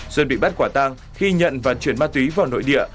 xuân bị bắt quả tang khi nhận và chuyển ma túy vào nội địa